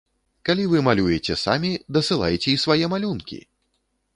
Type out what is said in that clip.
Калі вы малюеце самі, дасылайце і свае малюнкі!